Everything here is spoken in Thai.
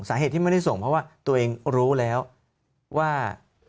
สาเหตุที่ไม่ได้ส่งเพราะว่าตัวเองรู้แล้วว่า